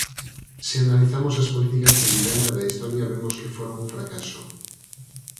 Se analizamos as políticas de vivenda da historia vemos que foron un fracaso.